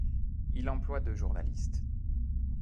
Il emploie deux journalistes.